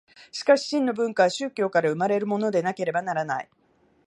しかし真の文化は宗教から生まれるものでなければならない。